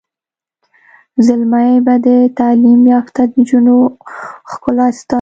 زلمي به د تعلیم یافته نجونو ښکلا ستایي.